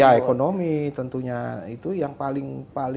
ya ekonomi tentunya itu yang paling